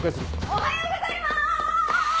おはようございます！